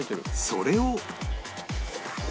それを